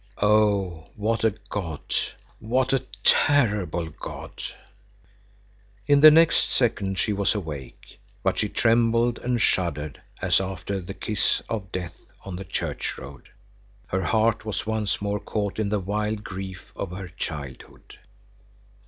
"Oh, what a God, what a terrible God!" In the next second she was awake, but she trembled and shuddered, as after the kiss of death on the church road. Her heart was once more caught in the wild grief of her childhood.